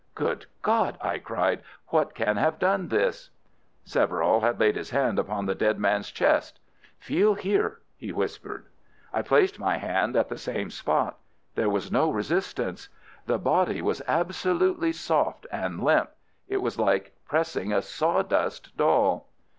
"Good God!" I cried. "What can have done this?" Severall had laid his hand upon the dead man's chest. "Feel here," he whispered. I placed my hand at the same spot. There was no resistance. The body was absolutely soft and limp. It was like pressing a sawdust doll.